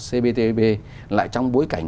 cptpp lại trong bối cảnh